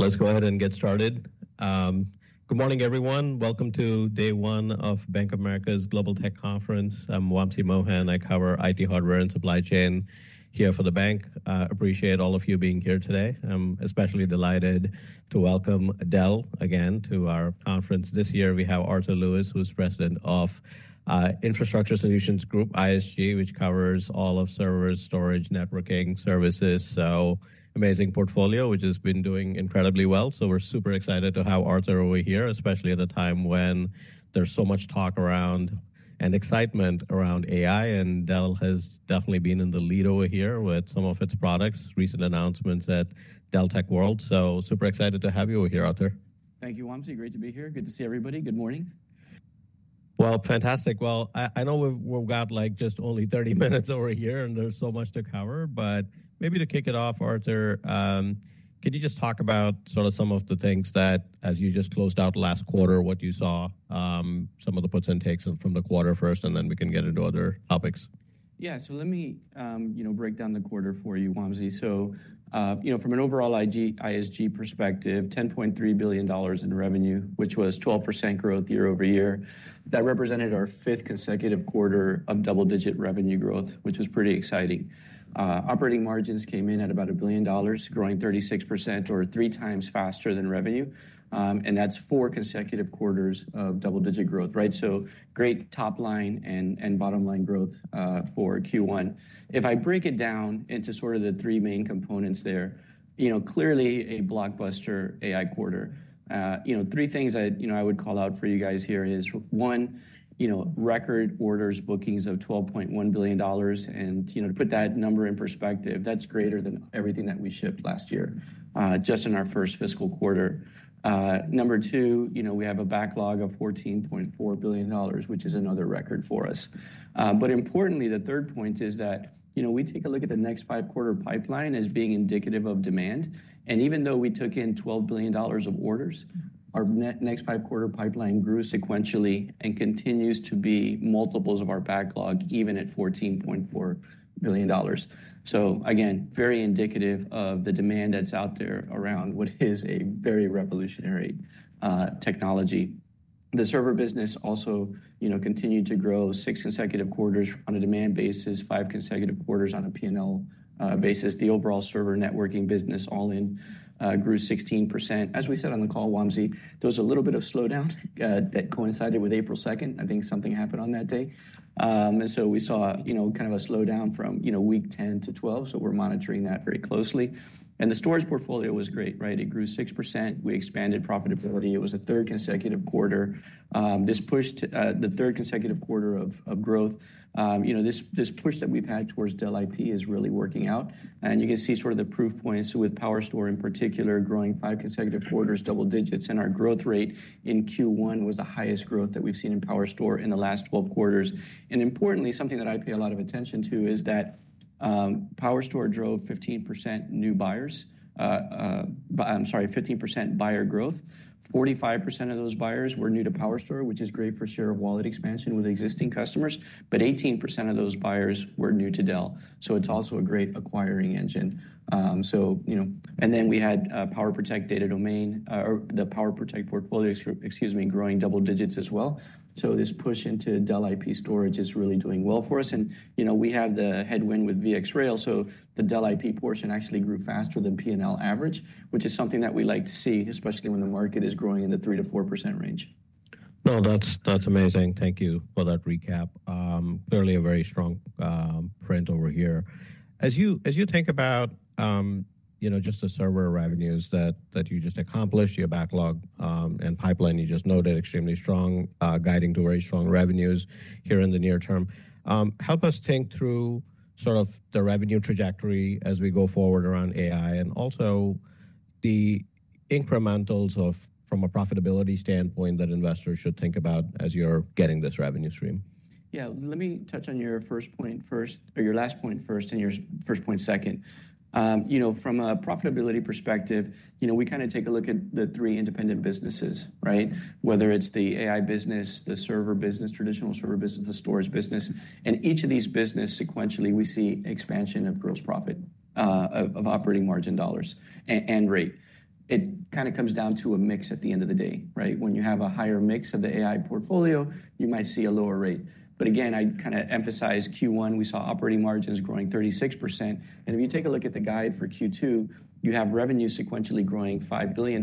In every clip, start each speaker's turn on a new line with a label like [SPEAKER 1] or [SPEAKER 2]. [SPEAKER 1] Let's go ahead and get started. Um good morning, everyone. Welcome to day one of Bank of America's Global Tech Conference. I'm Wamsi Mohan. I cover IT hardware and supply chain here for the bank. I appreciate all of you being here today. I'm especially delighted to welcome Dell again to our conference. This year, we have Arthur Lewis, who's President of Infrastructure Solutions Group, ISG, which covers all of servers, storage, networking services so. Amazing portfolio, which has been doing incredibly well. So we're super excited to have Arthur over here, especially at a time when there's so much talk around and excitement around AI. And Dell has definitely been in the lead over here with some of its products, recent announcements at Dell Tech World. Super excited to have you over here, Arthur.
[SPEAKER 2] Thank you, Wamsi. Great to be here. Good to see everybody. Good morning.
[SPEAKER 1] Well Fantastic well. I know we've got just only 30 minutes over here, and there's so much to cover. But maybe to kick it off, Arthur, can you just talk about some of the things that, as you just closed out last quarter, what you saw, um some of the puts and takes from the quarter first, and then we can get into other topics?
[SPEAKER 2] Yeah. So, let me um you know break down the quarter for you, Wamsi. From an overall ISG perspective, $10.3 billion in revenue, which was 12% growth year over year. That represented our fifth consecutive quarter of double-digit revenue growth, which was pretty exciting. Operating margins came in at about $1 billion, growing 36%, or three times faster than revenue. Um and that's four consecutive quarters of double-digit growth. Right so great top-line and bottom-line growth for Q1. If I break it down into the three main components there, you know clearly a blockbuster AI quarter. Three things I would call out for you guys here is, one, you know record orders bookings of $12.1 billion. To put that number in perspective, that is greater than everything that we shipped last year, just in our first fiscal quarter. Number two, you know we have a backlog of $14.4 billion, which is another record for us. Importantly, the third point is that we take a look at the next five-quarter pipeline as being indicative of demand. Even though we took in $12 billion of orders, our next five-quarter pipeline grew sequentially and continues to be multiples of our backlog, even at $14.4 billion. So again, very indicative of the demand that's out there around what is a very revolutionary technology. The server business also continued to grow six consecutive quarters on a demand basis, five consecutive quarters on a P&L basis. The overall server networking business all in grew 16%. As we said on the call, Wamsi, there was a little bit of slowdown that coincided with April 2nd. I think something happened on that day. We saw kind of a slowdown from week 10-12. We're monitoring that very closely. The storage portfolio was great. It grew 6%. We expanded profitability. It was a third consecutive quarter. This pushed the third consecutive quarter of growth. This push that we've had towards Dell IP is really working out. You can see the proof points with PowerStore in particular, growing five consecutive quarters, double digits. Our growth rate in Q1 was the highest growth that we've seen in PowerStore in the last 12 quarters. Importantly, something that I pay a lot of attention to is that um PowerStore drove 15% new buyers, uh I'm sorry buyer growth. 45% of those buyers were new to PowerStore, which is great for share of wallet expansion with existing customers. But 18% of those buyers were new to Dell. So it is also a great acquiring engine. Um so you know we had PowerProtect Data Domain, the PowerProtect portfolio, excuse me, growing double digits as well. This push into Dell IP storage is really doing well for us. We have the headwind with VxRail. The Dell IP portion actually grew faster than P&L average, which is something that we like to see, especially when the market is growing in the 3%-4% range.
[SPEAKER 1] No, that's amazing. Thank you for that recap. Clearly, a very strong print over here. As you think about you know just the server revenues that you just accomplished, your backlog and pipeline, you just noted extremely strong, guiding to very strong revenues here in the near term. Um help us think through the revenue trajectory as we go forward around AI and also the incrementals from a profitability standpoint that investors should think about as you're getting this revenue stream.
[SPEAKER 2] Yeah. Let me touch on your first point first, or your last point first, and your first point second. You know from a profitability perspective, we kind of take a look at the three independent businesses, whether it's the AI business, the server business, traditional server business, the storage business. And each of these businesses, sequentially, we see expansion of gross profit, of operating margin dollars and rate. It kind of comes down to a mix at the end of the day. When you have a higher mix of the AI portfolio, you might see a lower rate. Again, I kind of emphasize Q1, we saw operating margins growing 36%. If you take a look at the guide for Q2, you have revenue sequentially growing $5 billion,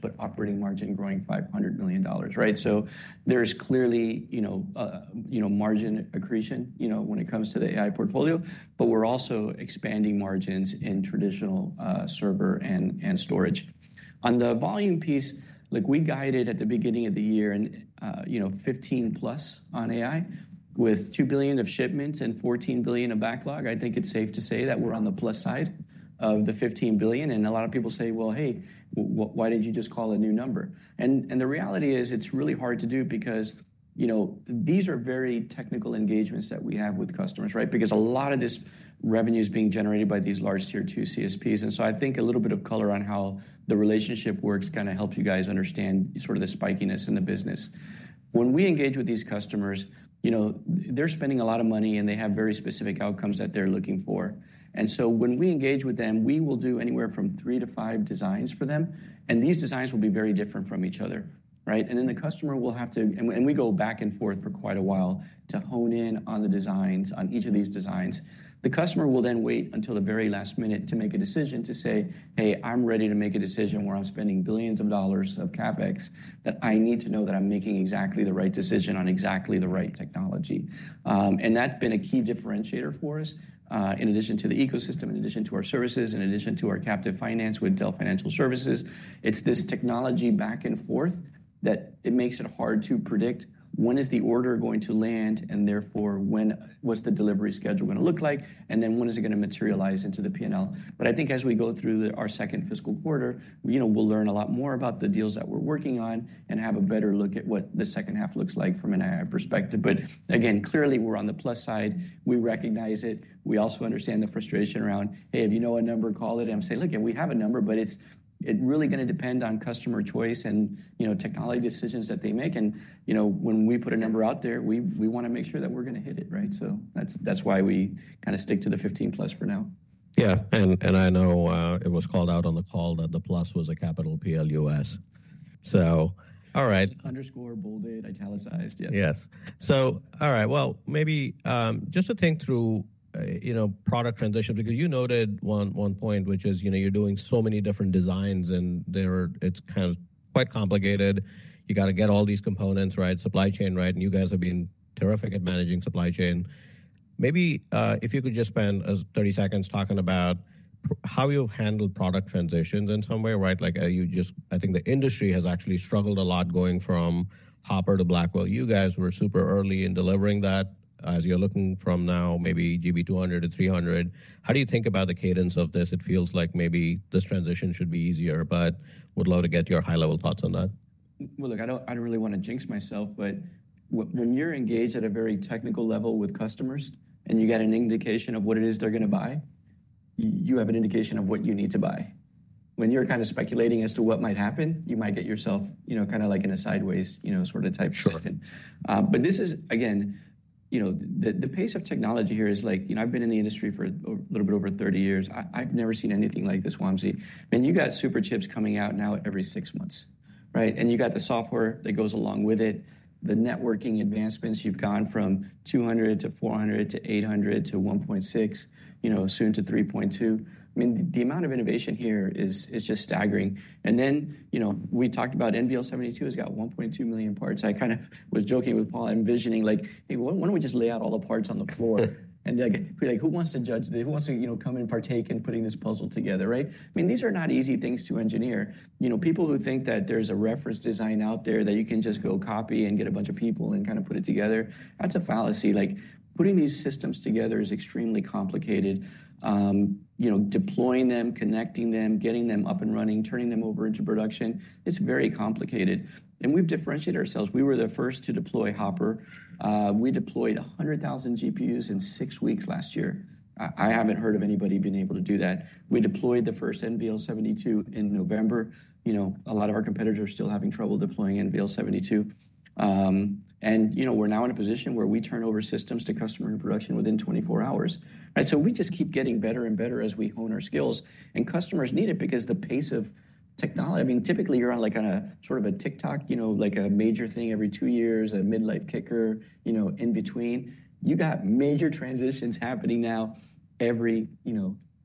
[SPEAKER 2] but operating margin growing $500 million. Right so. There's clearly margin accretion when it comes to the AI portfolio, but we're also expanding margins in traditional server and storage. On the volume piece, we guided at the beginning of the year 15%+ on AI with $2 billion of shipments and $14 billion of backlog. I think it's safe to say that we're on the plus side of the $15 billion. A lot of people say, "Well hey, why didn't you just call a new number?" The reality is it's really hard to do because these are very technical engagements that we have with customers because a lot of this revenue is being generated by these large tier two CSPs. I think a little bit of color on how the relationship works kind of helps you guys understand the spikiness in the business. When we engage with these customers, they're spending a lot of money, and they have very specific outcomes that they're looking for. When we engage with them, we will do anywhere from three to five designs for them. These designs will be very different from each other. The customer will have to, and we go back and forth for quite a while to hone in on the designs, on each of these designs. The customer will then wait until the very last minute to make a decision to say, "Hey, I'm ready to make a decision where I'm spending billions of dollars of CapEx that I need to know that I'm making exactly the right decision on exactly the right technology." That has been a key differentiator for us in addition to the ecosystem, in addition to our services, in addition to our captive finance with Dell Financial Services. It is this technology back and forth that makes it hard to predict when is the order going to land, and therefore, what is the delivery schedule going to look like, and then when is it going to materialize into the P&L. I think as we go through our second fiscal quarter, we'll learn a lot more about the deals that we're working on and have a better look at what the second half looks like from an AI perspective. Again, clearly, we're on the plus side. We recognize it. We also understand the frustration around, "Hey, if you know a number, call it." We have a number, but it's really going to depend on customer choice and technology decisions that they make. When we put a number out there, we want to make sure that we're going to hit it. That's why we kind of stick to the 15%+ for now.
[SPEAKER 1] Yeah. I know it was called out on the call that the plus was a capital PLUS. All right.
[SPEAKER 2] Underscore, bolded, italicized. Yeah.
[SPEAKER 1] Yes. So all right. Well maybe just to think through product transition, because you noted one point, which is you're doing so many different designs, and it's kind of quite complicated. You got to get all these components, supply chain. You guys have been terrific at managing supply chain. Maybe if you could just spend as 30 seconds talking about how you handle product transitions in some way. I think the industry has actually struggled a lot going from Hopper to Blackwell. You guys were super early in delivering that. As you're looking from now, maybe GB200-300. How do you think about the cadence of this? It feels like maybe this transition should be easier, but would love to get your high-level thoughts on that.
[SPEAKER 2] Look, I do not really want to jinx myself, but when you are engaged at a very technical level with customers and you get an indication of what it is they are going to buy, you have an indication of what you need to buy. When you are kind of speculating as to what might happen, you might get yourself kind of like in a sideways sort of type shift. This is, again, the pace of technology here is like, I have been in the industry for a little bit over 30 years. I have never seen anything like this, Wamsi. You guys have super chips coming out now every six months. You have the software that goes along with it, the networking advancements. You have gone from 200 to 400 to 800 to 1.6, soon to 3.2. I mean, the amount of innovation here is just staggering. We talked about NVL72 has got 1.2 million parts. I kind of was joking with Paul, envisioning like, "Hey, why don't we just lay out all the parts on the floor?" Who wants to judge? Who wants to come and partake in putting this puzzle together? I mean, these are not easy things to engineer. People who think that there's a reference design out there that you can just go copy and get a bunch of people and kind of put it together, that's a fallacy. Putting these systems together is extremely complicated. Um you know deploying them, connecting them, getting them up and running, turning them over into production, it's very complicated. We have differentiated ourselves. We were the first to deploy Hopper. We deployed 100,000 GPUs in six weeks last year. I have not heard of anybody being able to do that. We deployed the first NVL72 in November. A lot of our competitors are still having trouble deploying NVL72. We are now in a position where we turn over systems to customers in production within 24 hours. We just keep getting better and better as we hone our skills. Customers need it because the pace of technology, I mean, typically, you are on sort of a TikTok, like a major thing every two years, a midlife kicker in between. You have major transitions happening now every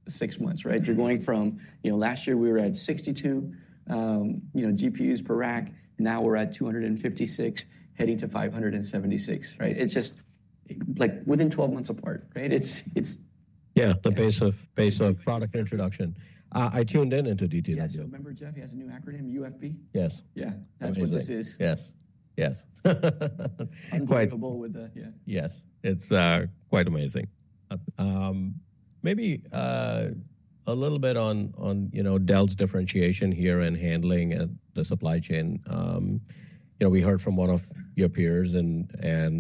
[SPEAKER 2] six months. You are going from last year, we were at 62 GPUs per rack. Now we are at 256, heading to 576. It is just like within 12 months apart. And it's.
[SPEAKER 1] Yeah, the pace of product introduction. I tuned in into DTW.
[SPEAKER 2] Yeah. So, remember Jeff, he has a new acronym, UFB?
[SPEAKER 1] Yes.
[SPEAKER 2] Yeah. That's what this is.
[SPEAKER 1] Yes. Yes.
[SPEAKER 2] I'm comfortable with the, yeah.
[SPEAKER 1] Yes. It's quite amazing. Maybe a little bit on Dell's differentiation here in handling the supply chain. We heard from one of your peers, and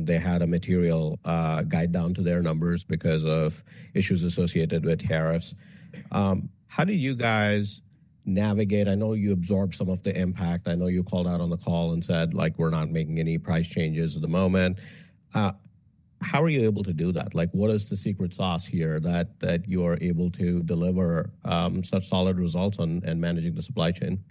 [SPEAKER 1] they had a material guide down to their numbers because of issues associated with tariffs. Um how did you guys navigate? I know you absorbed some of the impact. I know you called out on the call and said, "We're not making any price changes at the moment." How are you able to do that? What is the secret sauce here that you are able to deliver such solid results in managing the supply chain?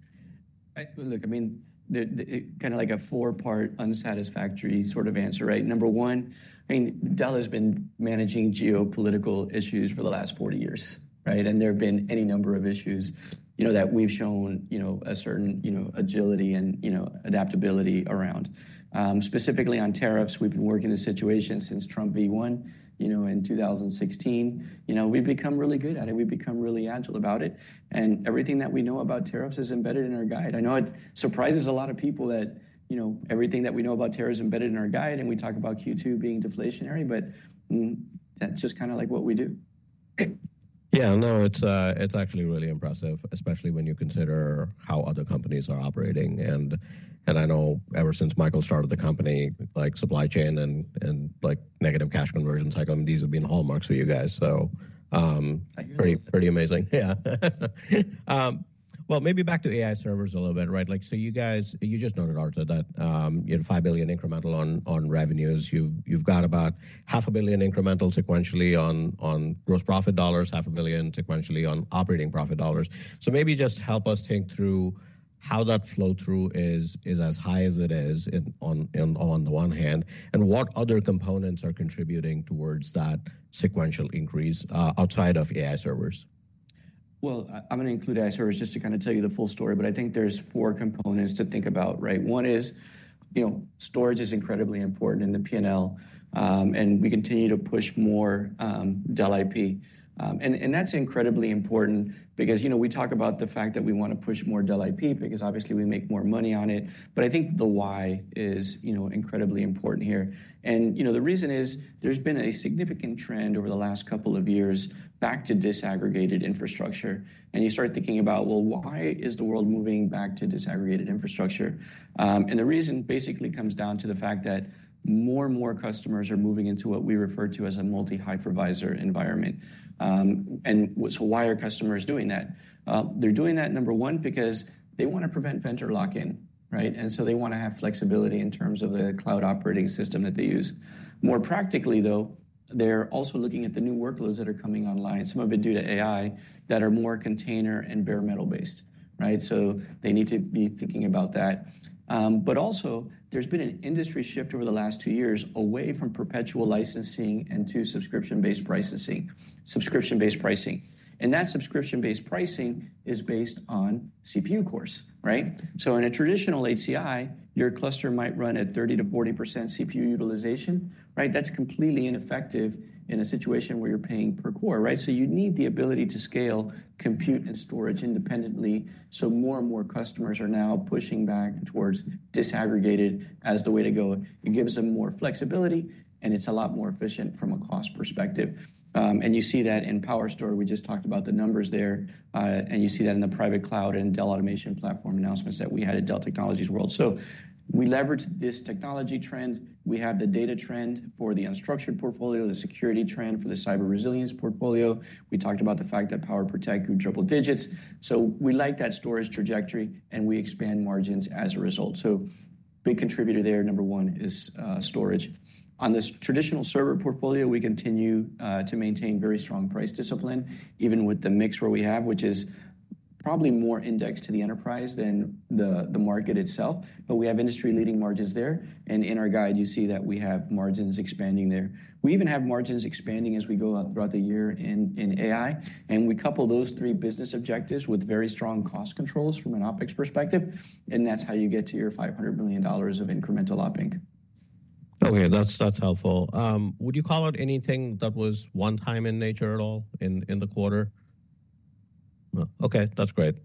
[SPEAKER 2] Look, I mean, kind of like a four-part unsatisfactory sort of answer. Number one, I mean, Dell has been managing geopolitical issues for the last 40 years. And there have been any number of issues that we've shown a certain agility and adaptability around. Specifically on tariffs, we've been working in a situation since Trump v1 in 2016. We've become really good at it. We've become really agile about it. Everything that we know about tariffs is embedded in our guide. I know it surprises a lot of people that everything that we know about tariffs is embedded in our guide, and we talk about Q2 being deflationary, but that's just kind of like what we do.
[SPEAKER 1] Yeah. No, it's actually really impressive, especially when you consider how other companies are operating. And I know ever since Michael started the company, supply chain and negative cash conversion cycle, these have been hallmarks for you guys. Um pretty amazing. Maybe back to AI servers a little bit. You guys, you just noted, Arthur, that you had $5 billion incremental on revenues. You've got about $500,000 million incremental sequentially on gross profit dollars, $500,000 million sequentially on operating profit dollars. Maybe just help us think through how that flow through is as high as it is on the one hand, and what other components are contributing towards that sequential increase outside of AI servers.
[SPEAKER 2] Well I'm going to include AI servers just to kind of tell you the full story, but I think there's four components to think about. One is storage is incredibly important in the P&L, and we continue to push more Dell IP. That's incredibly important because we talk about the fact that we want to push more Dell IP because obviously we make more money on it. I think the why is incredibly important here. The reason is there's been a significant trend over the last couple of years back to disaggregated infrastructure. You start thinking about, why is the world moving back to disaggregated infrastructure? The reason basically comes down to the fact that more and more customers are moving into what we refer to as a multi-hypervisor environment. Why are customers doing that? They're doing that, number one, because they want to prevent vendor lock-in. They want to have flexibility in terms of the cloud operating system that they use. More practically, though, they're also looking at the new workloads that are coming online, some of it due to AI, that are more container and bare metal-based. They need to be thinking about that. There has been an industry shift over the last two years away from perpetual licensing and to subscription-based pricing. Subscription-based pricing. That subscription-based pricing is based on CPU cores right? In a traditional HCI, your cluster might run at 30%-40% CPU utilization. That's completely ineffective in a situation where you're paying per core. You need the ability to scale compute and storage independently. More and more customers are now pushing back towards disaggregated as the way to go. It gives them more flexibility, and it's a lot more efficient from a cost perspective. You see that in PowerStore. We just talked about the numbers there. You see that in the private cloud and Dell Automation Platform announcements that we had at Dell Technologies World. We leveraged this technology trend. We have the data trend for the unstructured portfolio, the security trend for the cyber resilience portfolio. We talked about the fact that PowerProtect grew triple digits. We like that storage trajectory, and we expand margins as a result. A big contributor there, number one, is storage. On this traditional server portfolio, we continue to maintain very strong price discipline, even with the mix where we have, which is probably more indexed to the enterprise than the market itself. We have industry-leading margins there. In our guide, you see that we have margins expanding there. We even have margins expanding as we go up throughout the year in AI. We couple those three business objectives with very strong cost controls from an OpEx perspective. That is how you get to your $500,000 million of incremental OpEx.
[SPEAKER 1] Okay. That's helpful. Would you call out anything that was one-time in nature at all in the quarter? Okay. That's great.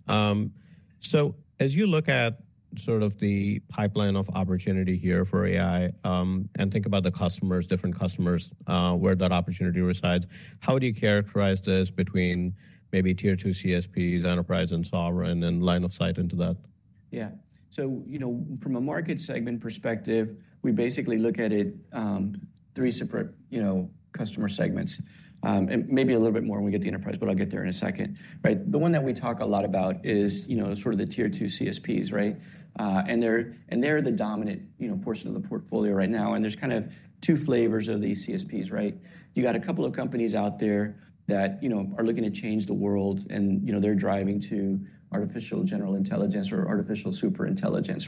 [SPEAKER 1] As you look at sort of the pipeline of opportunity here for AI and think about the customers, different customers, where that opportunity resides, how would you characterize this between maybe tier two CSPs, enterprise and sovereign, and line of sight into that?
[SPEAKER 2] Yeah. So you know from a market segment perspective, we basically look at it as three separate customer segments. Maybe a little bit more when we get to enterprise, but I'll get there in a second. The one that we talk a lot about is sort of the tier two CSPs. They're the dominant portion of the portfolio right now. There's kind of two flavors of these CSPs. You got a couple of companies out there that are looking to change the world, and they're driving to artificial general intelligence or artificial superintelligence.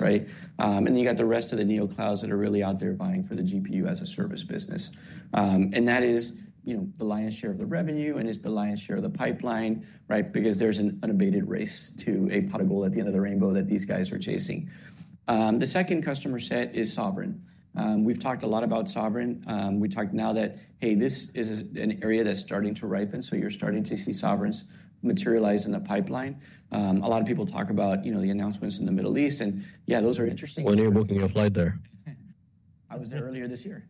[SPEAKER 2] Then you got the rest of the Neoclouds that are really out there vying for the GPU as a service business. And that is the lion's share of the revenue, and it's the lion's share of the pipeline because there's an unabated race to a pot of gold at the end of the rainbow that these guys are chasing. Um the second customer set is sovereign. We've talked a lot about sovereign. We talked now that, hey, this is an area that's starting to ripen. You're starting to see sovereigns materialize in the pipeline. A lot of people talk about the announcements in the Middle East. Yeah, those are interesting.
[SPEAKER 1] When are you booking your flight there?
[SPEAKER 2] I was there earlier this year.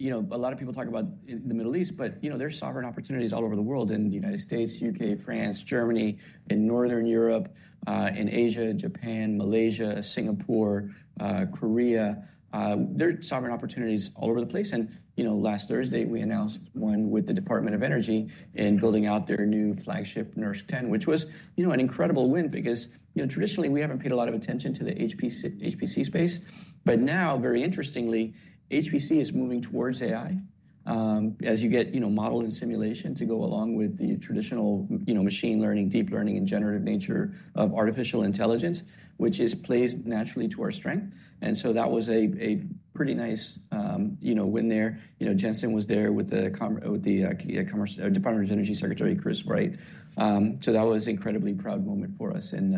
[SPEAKER 2] A lot of people talk about the Middle East, but there are sovereign opportunities all over the world in the United States, U.K., France, Germany, in Northern Europe, uh in Asia, Japan, Malaysia, Singapore, Korea. Um there are sovereign opportunities all over the place. Last Thursday, we announced one with the Department of Energy in building out their new flagship NERSC-10, which was an incredible win because traditionally, we have not paid a lot of attention to the HPC space. Now, very interestingly, HPC is moving towards AI as you get model and simulation to go along with the traditional machine learning, deep learning, and generative nature of artificial intelligence, which is placed naturally to our strength. That was a pretty nice win there. Jensen was there with the Department of Energy Secretary Chris Wright. That was an incredibly proud moment for us in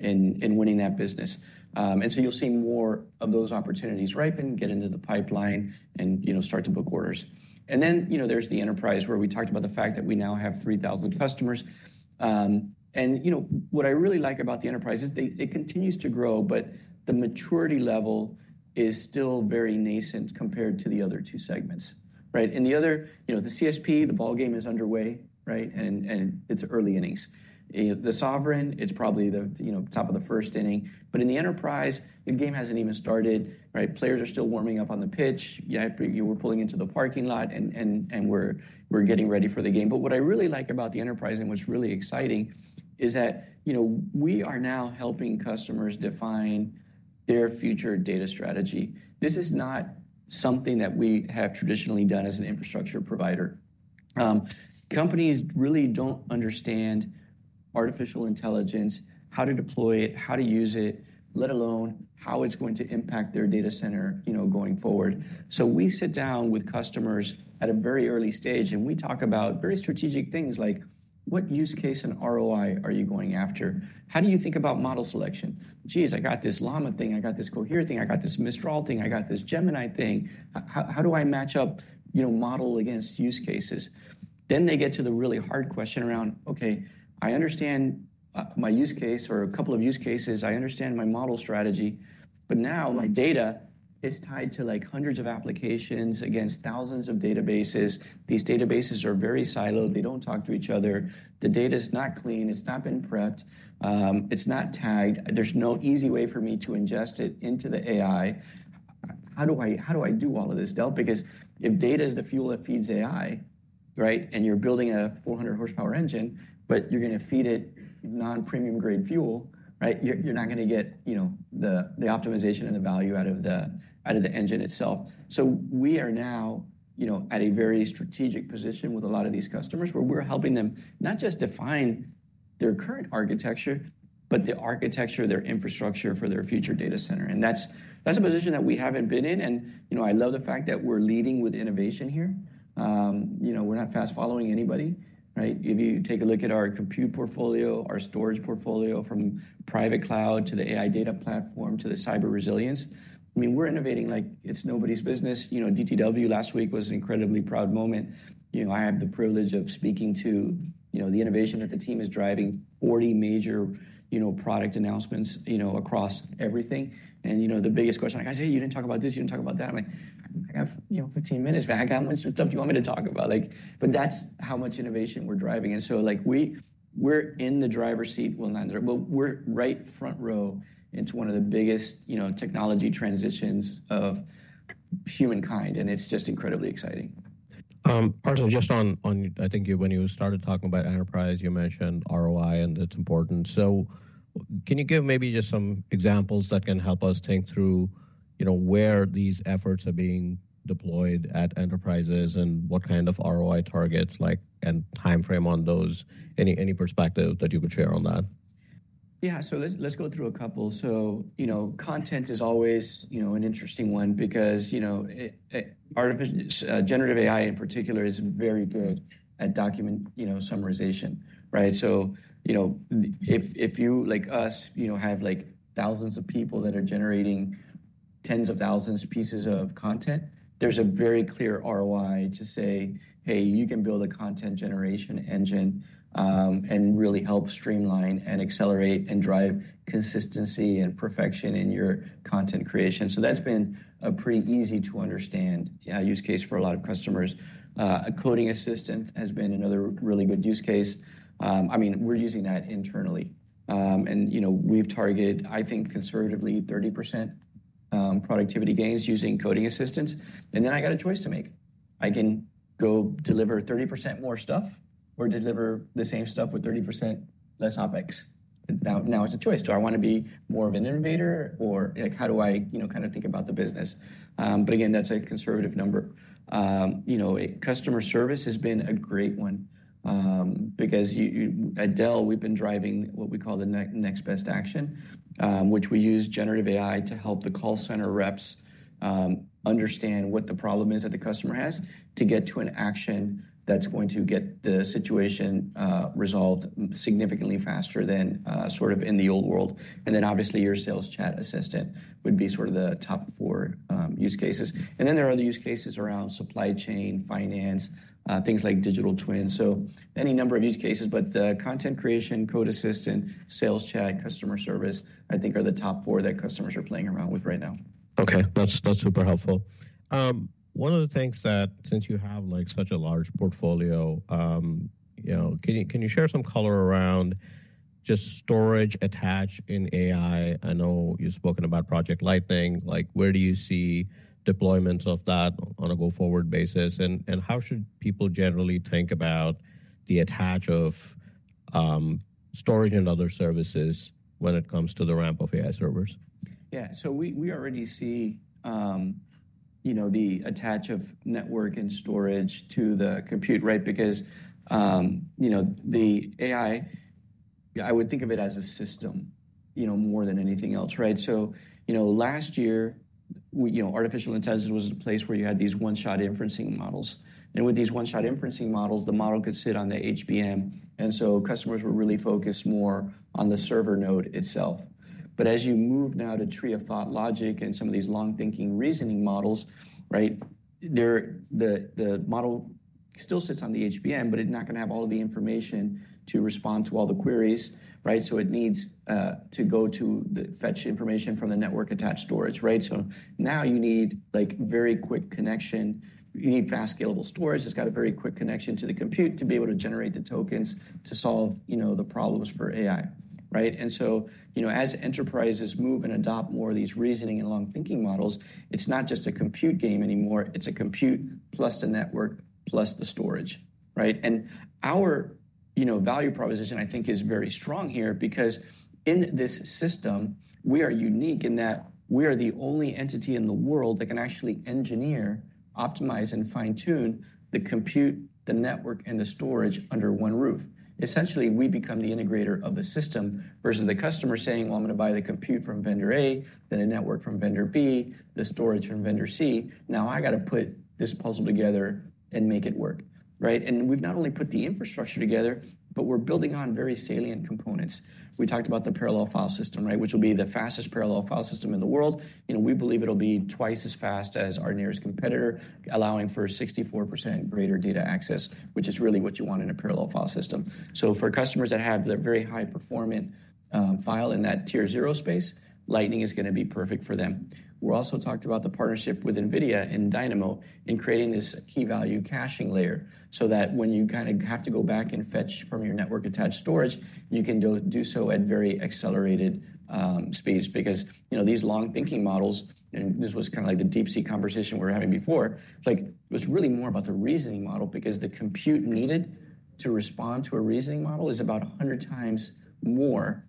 [SPEAKER 2] winning that business. You will see more of those opportunities ripen, get into the pipeline, and start to book orders. There is the enterprise where we talked about the fact that we now have 3,000 customers. Um you know what I really like about the enterprise is it continues to grow, but the maturity level is still very nascent compared to the other two segments. The other, the CSP, the ball game is underway, right and it is early innings. The sovereign, it is probably the top of the first inning. In the enterprise, the game has not even started. Players are still warming up on the pitch. You were pulling into the parking lot, and we are getting ready for the game. What I really like about the enterprise and what's really exciting is that you know we are now helping customers define their future data strategy. This is not something that we have traditionally done as an infrastructure provider. Um companies really do not understand artificial intelligence, how to deploy it, how to use it, let alone how it is going to impact their data center going forward. We sit down with customers at a very early stage, and we talk about very strategic things like what use case and ROI are you going after? How do you think about model selection? Jeez, I got this Llama thing. I got this Cohere thing. I got this Mistral thing. I got this Gemini thing. How do I match up model against use cases? They get to the really hard question around, okay, I understand my use case or a couple of use cases. I understand my model strategy, but now my data is tied to hundreds of applications against thousands of databases. These databases are very siloed. They do not talk to each other. The data is not clean. It has not been prepped. It is not tagged. There is no easy way for me to ingest it into the AI. How do I do all of this, Dell? Because if data is the fuel that feeds AI, and you are building a 400-horsepower engine, but you are going to feed it non-premium-grade fuel, you are not going to get the optimization and the value out of the engine itself. We are now at a very strategic position with a lot of these customers where we are helping them not just define their current architecture, but the architecture, their infrastructure for their future data center. That is a position that we have not been in. I love the fact that we're leading with innovation here. We're not fast-following anybody. If you take a look at our compute portfolio, our storage portfolio from private cloud to the AI data platform to the cyber resilience, I mean, we're innovating like it's nobody's business. DTW last week was an incredibly proud moment. I have the privilege of speaking to the innovation that the team is driving, 40 major you know product announcements across everything. The biggest question, I go, "Hey, you didn't talk about this. You didn't talk about that." I'm like, "I have 15 minutes, man. I got some stuff you want me to talk about." That's how much innovation we're driving. We're in the driver's seat, Will, not in the driver, but we're right front row into one of the biggest you know technology transitions of humankind. It's just incredibly exciting.
[SPEAKER 1] Arthur, just on, I think when you started talking about enterprise, you mentioned ROI and it's important. So can you give maybe just some examples that can help us think through where these efforts are being deployed at enterprises and what kind of ROI targets and timeframe on those, any perspective that you could share on that?
[SPEAKER 2] Yeah. Let's go through a couple. Content is always an interesting one because you know generative AI in particular is very good at document summarization. Right so if you, like us, have thousands of people that are generating tens of thousands of pieces of content, there's a very clear ROI to say, "Hey, you can build a content generation engine and really help streamline and accelerate and drive consistency and perfection in your content creation." So that's been a pretty easy-to-understand use case for a lot of customers. A coding assistant has been another really good use case. I mean, we're using that internally. We've targeted, I think, conservatively 30% um productivity gains using coding assistants. Then I got a choice to make. I can go deliver 30% more stuff or deliver the same stuff with 30% less OpEx. Now, it's a choice. Do I want to be more of an innovator, or how do I kind of think about the business? Again, that's a conservative number. Customer service has been a great one because at Dell, we've been driving what we call the next best action, which we use generative AI to help the call center reps understand what the problem is that the customer has to get to an action that's going to get the situation resolved significantly faster than in the old world. Obviously, your sales chat assistant would be sort of the top four use cases. There are other use cases around supply chain, finance, things like digital twins. Any number of use cases, but the content creation, code assistant, sales chat, customer service, I think are the top four that customers are playing around with right now.
[SPEAKER 1] Okay. That's super helpful. Um one of the things that, since you have such a large portfolio, um you know can you share some color around just storage attached in AI? I know you've spoken about Project Lightning. Where do you see deployments of that on a go-forward basis? How should people generally think about the attach of storage and other services when it comes to the ramp of AI servers?
[SPEAKER 2] Yeah. So, we already see the attach of network and storage to the compute, right? Because the AI, I would think of it as a system more than anything else. Last year, artificial intelligence was a place where you had these one-shot inferencing models. With these one-shot inferencing models, the model could sit on the HBM. And so customers were really focused more on the server node itself. As you move now to TRIA Thought Logic and some of these long-thinking reasoning models, the model still sits on the HBM, but it's not going to have all of the information to respond to all the queries. It needs to go to fetch information from the network attached storage. Now you need very quick connection. You need fast scalable storage that's got a very quick connection to the compute to be able to generate the tokens to solve the problems for AI. As enterprises move and adopt more of these reasoning and long-thinking models, it's not just a compute game anymore. It's a compute plus the network plus the storage. Our value proposition, I think, is very strong here because in this system, we are unique in that we are the only entity in the world that can actually engineer, optimize, and fine-tune the compute, the network, and the storage under one roof. Essentially, we become the integrator of the system versus the customer saying, "Well, I'm going to buy the compute from vendor A, then the network from vendor B, the storage from vendor C. Now, I got to put this puzzle together and make it work, right? We have not only put the infrastructure together, but we are building on very salient components. We talked about the parallel file system, which will be the fastest parallel file system in the world. We believe it will be twice as fast as our nearest competitor, allowing for 64% greater data access, which is really what you want in a parallel file system. For customers that have the very high-performant file in that tier zero space, Lightning is going to be perfect for them. We're also talked about the partnership with NVIDIA and Dynamo in creating this key-value caching layer so that when you kind of have to go back and fetch from your network attached storage, you can do so at very accelerated speeds because these long-thinking models, and this was kind of like the deep sea conversation we were having before, it was really more about the reasoning model because the compute needed to respond to a reasoning model is about 100 times more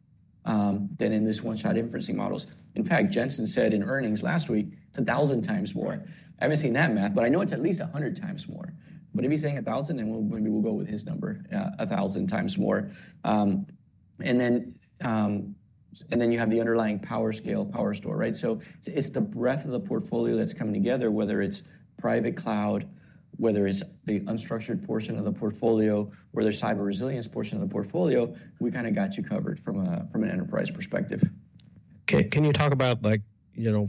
[SPEAKER 2] than in this one-shot inferencing models. In fact, Jensen said in earnings last week, it's 1,000 times more. I haven't seen that math, but I know it's at least 100 times more. If he's saying 1,000, then maybe we'll go with his number, 1,000 times more. You have the underlying PowerScale, PowerStore. It's the breadth of the portfolio that's coming together, whether it's private cloud, whether it's the unstructured portion of the portfolio, or the cyber resilience portion of the portfolio, we kind of got you covered from an enterprise perspective.
[SPEAKER 1] Okay. Can you talk about,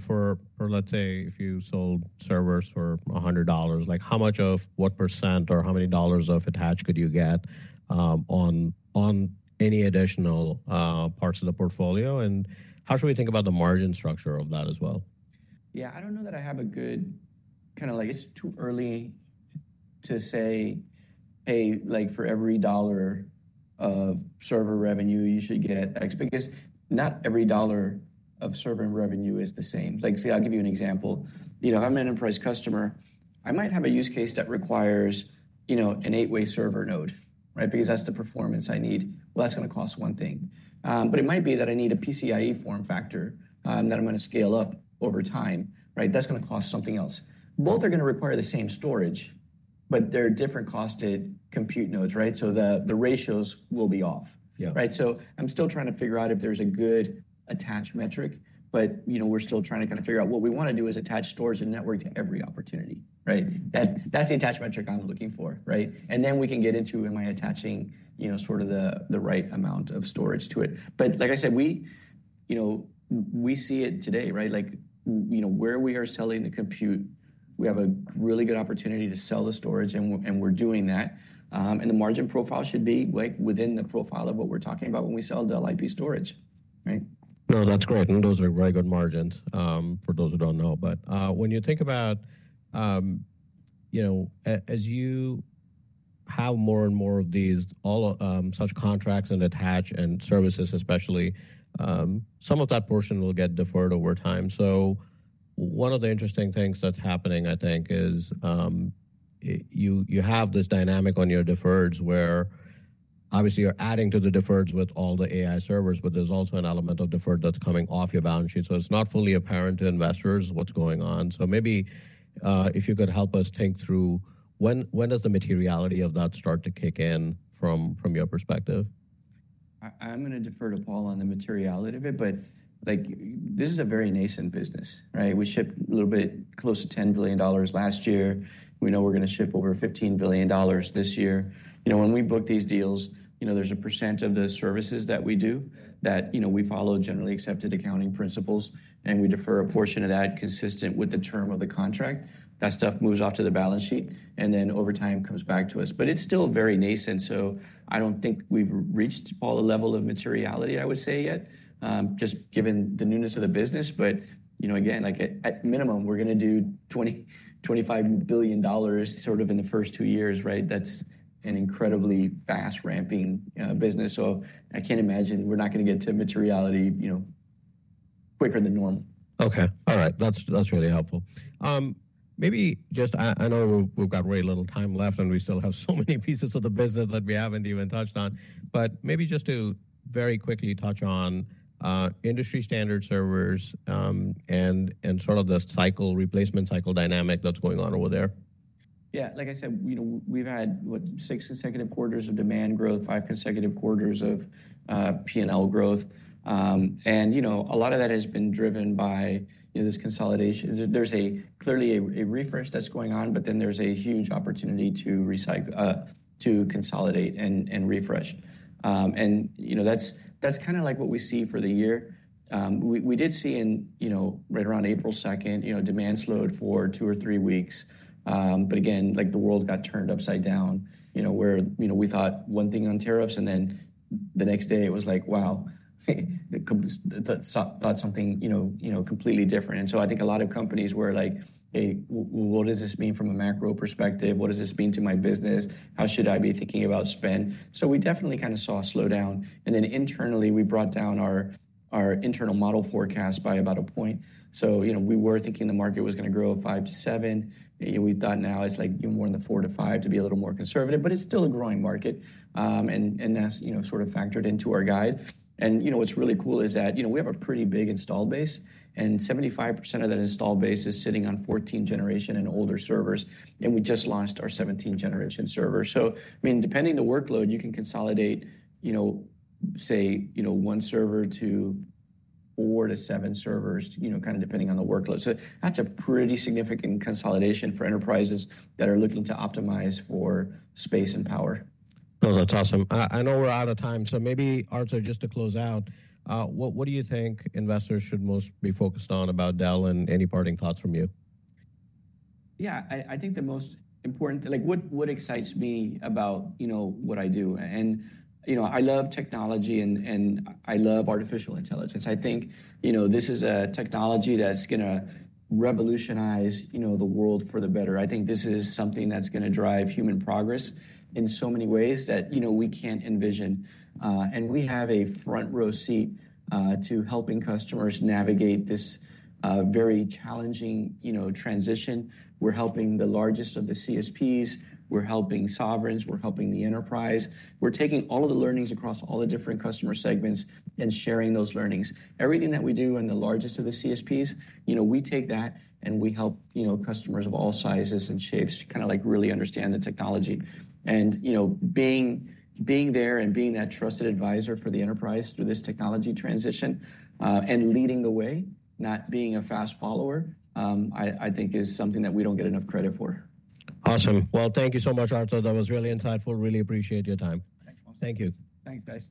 [SPEAKER 1] for let's say, if you sold servers for $100, how much of what percenr or how many dollars of attach could you get on any additional parts of the portfolio? And how should we think about the margin structure of that as well?
[SPEAKER 2] Yeah. I don't know that I have a good kind of, it's too early to say, "Hey, for every dollar of server revenue, you should get X," because not every dollar of server revenue is the same. See, I'll give you an example. I'm an enterprise customer. I might have a use case that requires an eight-way server node because that's the performance I need. That's going to cost one thing. It might be that I need a PCIe form factor that I'm going to scale up over time. That's going to cost something else. Both are going to require the same storage, but they're different costed compute nodes. The ratios will be off. Yeah right so I'm still trying to figure out if there's a good attach metric, but we're still trying to kind of figure out what we want to do is attach storage and network to every opportunity. That's the attach metric I'm looking for. Then we can get into, am I attaching sort of the right amount of storage to it? Like I said, we see it today. You know where we are selling the compute, we have a really good opportunity to sell the storage, and we're doing that. The margin profile should be within the profile of what we're talking about when we sell Dell IP storage.
[SPEAKER 1] No, that's great. Those are very good margins for those who do not know. When you think about, as you have more and more of these such contracts and attach and services, especially, some of that portion will get deferred over time. One of the interesting things that is happening, I think, is you have this dynamic on your deferreds where obviously you are adding to the deferreds with all the AI servers, but there is also an element of deferred that is coming off your balance sheet. It is not fully apparent to investors what is going on. Maybe if you could help us think through, when does the materiality of that start to kick in from your perspective?
[SPEAKER 2] I'm going to defer to Paul on the materiality of it, but this is a very nascent business. We shipped a little bit close to $10 billion last year. We know we're going to ship over $15 billion this year. When we book these deals, there's a percent of the services that we do that we follow generally accepted accounting principles, and we defer a portion of that consistent with the term of the contract. That stuff moves off to the balance sheet and then over time comes back to us. It's still very nascent. So I don't think we've reached all the level of materiality, I would say, yet, just given the newness of the business. But again, at minimum, we're going to do $25 billion sort of in the first two years. That's an incredibly fast-ramping business. I can't imagine we're not going to get to materiality quicker than normal.
[SPEAKER 1] Okay. All right. That's really helpful. Um maybe just, I know we've got very little time left and we still have so many pieces of the business that we haven't even touched on, but maybe just to very quickly touch on industry standard servers and sort of the cycle replacement cycle dynamic that's going on over there.
[SPEAKER 2] Yeah. Like I said, we've had six consecutive quarters of demand growth, five consecutive quarters of P&L growth. A lot of that has been driven by this consolidation. There's clearly a refresh that's going on, but then there's a huge opportunity to consolidate and refresh. That's kind of like what we see for the year. We did see right around April 2nd, demand slowed for two or three weeks. Again, the world got turned upside down where we thought one thing on tariffs and then the next day it was like, "Wow," thought something completely different. I think a lot of companies were like, "Hey, what does this mean from a macro perspective? What does this mean to my business? How should I be thinking about spend?" We definitely kind of saw a slowdown. Internally, we brought down our internal model forecast by about a point. We were thinking the market was going to grow 5-7%. We thought now it is more in the 4-5% to be a little more conservative, but it is still a growing market. That is sort of factored into our guide. What is really cool is that we have a pretty big install base, and 75% of that install base is sitting on 14th generation and older servers. We just launched our 17th generation server. So I mean, depending on the workload, you can consolidate, say, one server to four to seven servers, kind of depending on the workload. That is a pretty significant consolidation for enterprises that are looking to optimize for space and power.
[SPEAKER 1] No, that's awesome. I know we're out of time. Maybe, Arthur, just to close out, what do you think investors should most be focused on about Dell and any parting thoughts from you?
[SPEAKER 2] Yeah. I think the most important, what excites me about what I do. And I love technology and I love artificial intelligence. I think this is a technology that's going to revolutionize the world for the better. I think this is something that's going to drive human progress in so many ways that we can't envision. We have a front row seat to helping customers navigate this very challenging transition. We're helping the largest of the CSPs. We're helping sovereigns. We're helping the enterprise. We're taking all of the learnings across all the different customer segments and sharing those learnings. Everything that we do in the largest of the CSPs, we take that and we help customers of all sizes and shapes to kind of really understand the technology. Being there and being that trusted advisor for the enterprise through this technology transition and leading the way, not being a fast follower, I think is something that we do not get enough credit for.
[SPEAKER 1] Awesome. Thank you so much, Arthur. That was really insightful. Really appreciate your time.
[SPEAKER 2] Thanks, Wamsi.
[SPEAKER 1] Thank you.
[SPEAKER 2] Thanks.